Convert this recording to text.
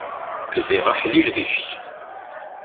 Ziɣ aḥlil deg-k!